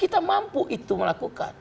kita mampu itu melakukan